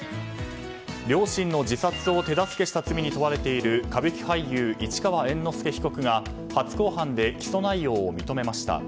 両親の自殺を手助けした罪に問われている歌舞伎俳優・市川猿之助被告が初公判で、起訴内容を認めました。